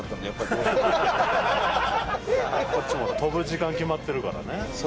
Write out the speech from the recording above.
富澤：飛ぶ時間決まってるからね。